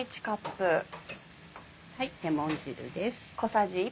レモン汁です。